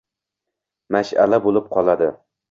mash’ala bo‘lib qoladi…